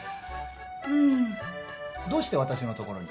うーん。どうして私のところに？